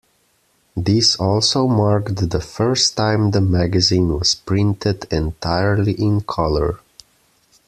This also marked the first time the magazine was printed entirely in colour.